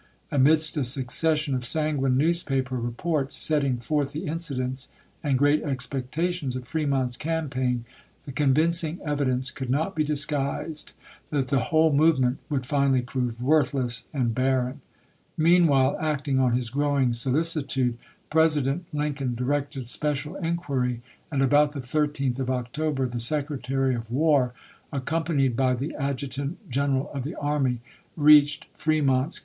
Amidst a succession of sanguine newspaper reports setting forth the incidents and great expectations of Fre mont's campaign, the convincing evidence could not be disguised that the whole movement would finally prove worthless and barren. Meanwhile, acting on his growing solicitude. President Lincoln directed special inquiry, and about the 13th of isei. October the Secretary of War, accompanied by the Adjutant General of the Army, reached Fremont's 430 ABKAHAM LINCOLN ch.